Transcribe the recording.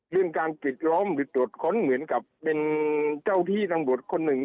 เรื่องการปิดล้อมหรือตรวจค้นเหมือนกับเป็นเจ้าที่ตำรวจคนหนึ่ง